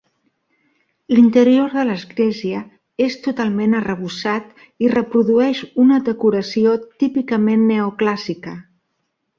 L'interior de l'església és totalment arrebossat i reprodueix una decoració típicament neoclàssica.